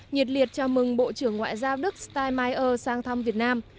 nhiệt liệt chào mừng bộ trưởng ngoại giao đức steinmeer sang thăm việt nam